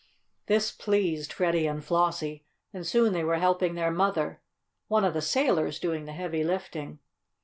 This pleased Freddie and Flossie, and soon they were helping their mother, one of the sailors doing the heavy lifting.